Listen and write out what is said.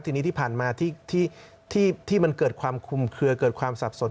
ทีนี้ที่ผ่านมาที่มันเกิดความคุมเคลือเกิดความสับสน